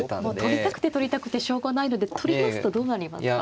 取りたくて取りたくてしょうがないので取りますとどうなりますか。